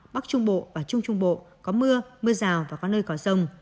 bắc trung bộ và trung trung bộ có mưa mưa rào và có nơi có rông